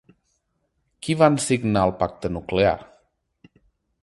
Qui van signar el pacte nuclear?